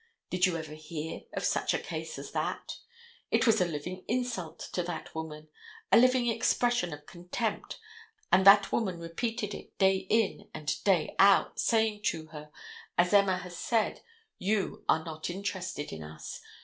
Did you ever hear of such a case as that? It was a living insult to that woman, a living expression of contempt, and that woman repeated it day in and day out, saying to her, as Emma has said, you are not interested in us.